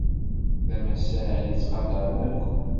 D amassan i ttqadaren akk.